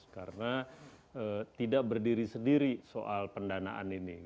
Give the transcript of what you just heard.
karena tidak berdiri sendiri soal pendanaan ini